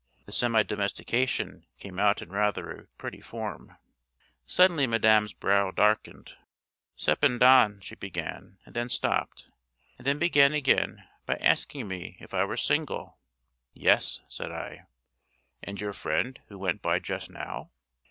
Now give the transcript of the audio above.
The semi domestication came out in rather a pretty form. Suddenly Madam's brow darkened. 'Cependant,' she began, and then stopped; and then began again by asking me if I were single? 'Yes,' said I. 'And your friend who went by just now?